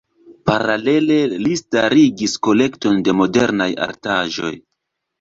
Paralele li startigis kolekton de modernaj artaĵoj.